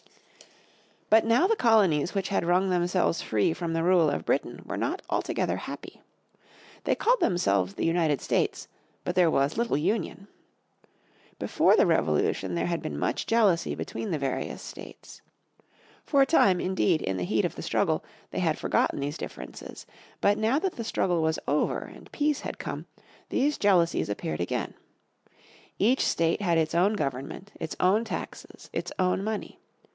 But now the colonies which had wrung themselves free from the rule of Britain were not altogether happy. They called themselves the United States, but there was little union. Before the Revolution there had been much jealousy between the various states. For a time, indeed, in the heat of the struggle, they had forgotten these differences. But now that the struggle was over, and peace had come, these jealousies appeared again. Each state had its own government, its own taxes, its own money.